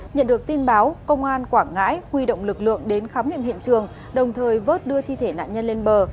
nhận được tin báo công an quảng ngãi huy động lực lượng đến khám nghiệm hiện trường đồng thời vớt đưa thi thể nạn nhân lên bờ